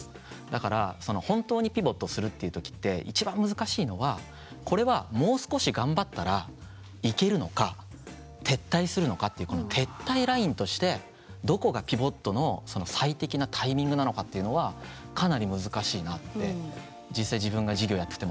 だから本当にピボットするっていう時って一番難しいのはこれはもう少し頑張ったらいけるのか撤退するのかっていうこの撤退ラインとしてどこがピボットの最適なタイミングなのかっていうのはかなり難しいなって実際自分が事業やってても。